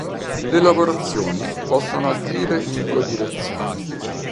Le lavorazioni possono agire in due direzioni.